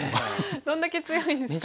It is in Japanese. どんだけ強いんですかね。